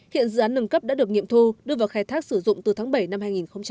hiện dự án nâng cấp đã được nghiệm thu đưa vào khai thác sử dụng từ tháng bảy năm hai nghìn một mươi chín